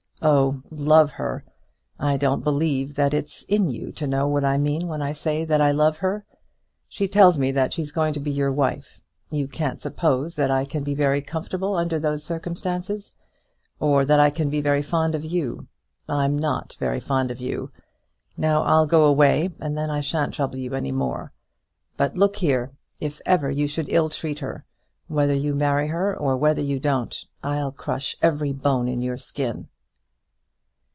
Oh, love her! I don't believe that it's in you to know what I mean when I say that I love her! She tells me that she's going to be your wife. You can't suppose that I can be very comfortable under those circumstances, or that I can be very fond of you. I'm not very fond of you. Now I'll go away, and then I shan't trouble you any more. But look here, if ever you should ill treat her, whether you marry her or whether you don't, I'll crush every bone in your skin."